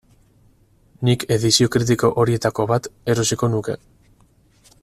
Nik edizio kritiko horietako bat erosiko nuke.